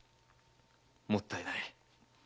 もったいない。